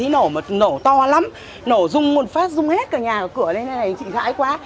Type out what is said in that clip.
nổ to lắm nổ dung một phát dung hết cả nhà cửa lên đây này chị thái quá